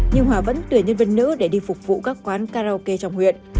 nhưng hòa vẫn tuyển nhân viên nữ để đi phục vụ các quán karaoke trong huyện